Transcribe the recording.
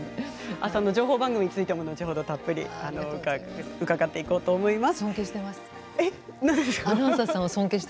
朝の情報番組についても後ほどたっぷり伺っていこうと思います。